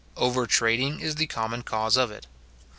Over trading is the common cause of it.